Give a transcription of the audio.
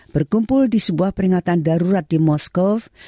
berkumpul di sebuah peringatan darurat di moskow